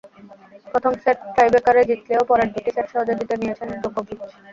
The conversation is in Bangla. প্রথম সেট টাইব্রেকারে জিতলেও পরের দুটি সেট সহজেই জিতে নিয়েছেন জোকোভিচ।